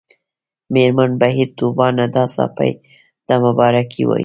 مېرمن بهیر طوبا ندا ساپۍ ته مبارکي وايي